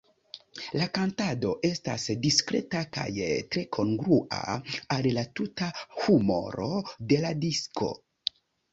La kantado estas diskreta kaj tre kongrua al la tuta humoro de la disko.